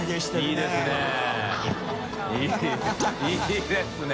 い いいですね。